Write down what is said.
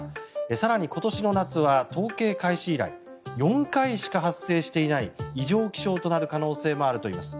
更に、今年の夏は統計開始以来４回しか発生していない異常気象となる可能性もあるといいます。